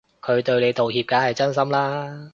佢對你道歉梗係真心啦